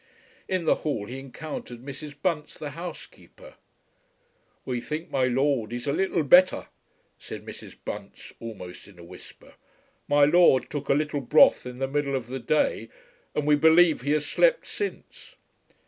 In the hall he encountered Mrs. Bunce the housekeeper. "We think my lord is a little better," said Mrs. Bunce almost in a whisper. "My lord took a little broth in the middle of the day, and we believe he has slept since."